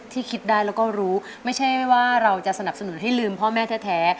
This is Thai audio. คิดได้แล้วก็รู้ไม่ใช่ว่าเราจะสนับสนุนให้ลืมพ่อแม่แท้